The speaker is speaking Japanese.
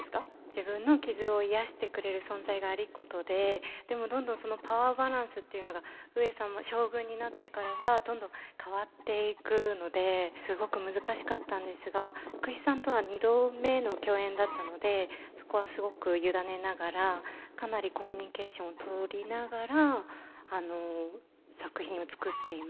自分の傷を癒やしてくれる存在が有功ででもどんどんパワーバランスっていうのが上様将軍になってからはどんどん変わっていくのですごく難しかったんですが福士さんとは２度目の共演だったのでそこはすごく委ねながらかなりコミュニケーションをとりながら作品を作っていました。